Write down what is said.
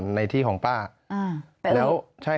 จุงหมาไปทำธุระให้เสร็จก่อน